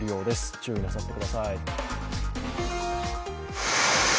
注意なさってください。